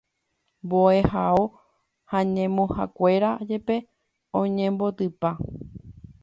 mbo'ehao ha ñemuhakuéra jepe oñembotypa.